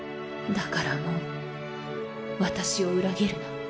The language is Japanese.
だからもう私を裏切るな。